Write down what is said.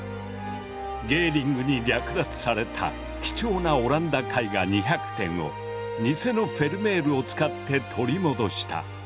ゲーリングに略奪された貴重なオランダ絵画２００点をニセのフェルメールを使って取り戻した。